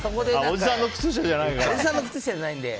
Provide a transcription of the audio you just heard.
おじさんの靴下じゃないから。